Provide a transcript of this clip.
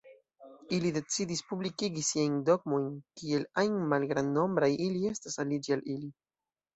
Ili decidis publikigi siajn dogmojn, kiel ajn malgrandnombraj ili estas, aliĝi al ili.